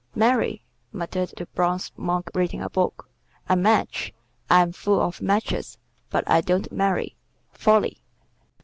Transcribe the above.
"Marry!" muttered the bronze Monk reading a book. "A match! I am full of matches, but I don't marry. Folly!"